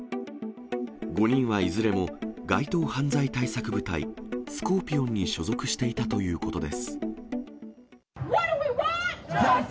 ５人はいずれも街頭犯罪対策部隊、スコーピオンに所属していたということです。